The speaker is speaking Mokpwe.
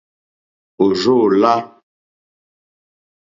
Ò rzô lá.